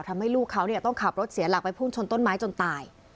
ทำให้ลูกเขาต้องขับรถเสียหลักไปพุ่งชนต้นไม้จนตาย